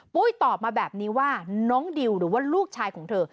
ตอบมาแบบนี้ว่าน้องดิวหรือว่าลูกชายของเธอ